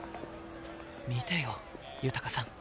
見てよ豊さん。